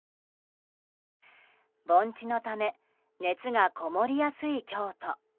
盆地のため熱がこもりやすい京都。